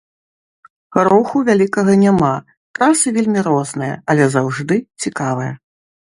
Руху вялікага няма, трасы вельмі розныя, але заўжды цікавыя.